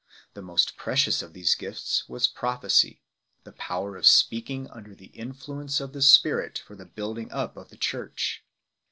The most precious of these gifts was prophecy 2 , the power of speakingunder the^intiuence of the Spirit for the building up of the Church.